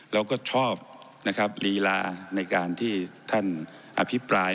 เราก็ชอบนะครับลีลาในการที่ท่านอภิปราย